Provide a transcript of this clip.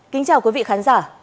kính chào quý vị khán giả